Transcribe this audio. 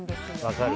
分かる。